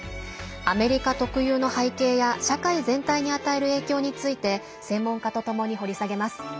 アメリカ特有の背景や社会全体に与える影響について専門家とともに掘り下げます。